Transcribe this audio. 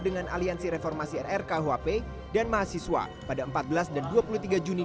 dengan aliansi reformasi rrkuhp dan mahasiswa pada empat belas dan dua puluh tiga juni dua ribu dua puluh dua